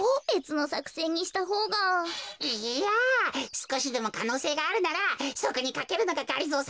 すこしでもかのうせいがあるならそこにかけるのががりぞー